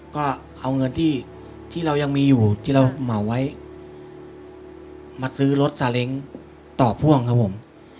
ก็เอาเงินที่เรายังมีอยู่ที่เราเหมาไว้มาซื้อรถซาเล้งต่อพ่วงครับผม